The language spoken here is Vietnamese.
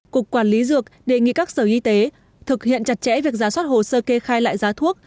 cục quản lý dược đề nghị các sở y tế thực hiện chặt chẽ việc giả soát hồ sơ kê khai lại giá thuốc